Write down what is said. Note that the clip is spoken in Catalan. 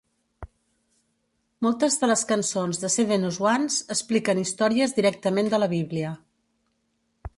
Moltes de les cançons de Seven Swans expliquen històries directament de la Bíblia.